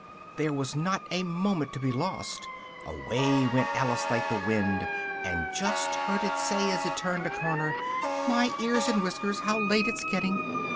There was not a moment to be lost: away went Alice like the wind, and just heard it say, as it turned a corner, "my ears and whiskers, how late it's getting!"